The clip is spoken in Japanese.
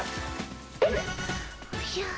おじゃ。